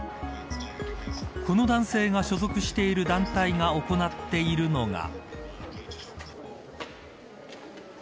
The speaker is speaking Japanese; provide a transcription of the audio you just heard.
この男性が所属している団体が行っているのが。